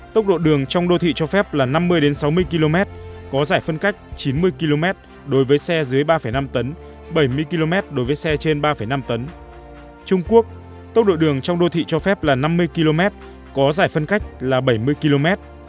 tốc độ đường trong đô thị cho phép là sáu mươi km có giải phân cách là chín mươi km